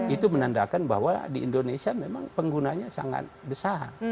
itu menandakan bahwa di indonesia memang penggunanya sangat besar